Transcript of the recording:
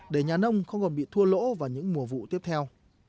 để nhà nông không còn bị thua lỗ vào những mùa vụ tiếp theo